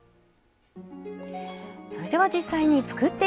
それでは実際に作っていきましょう。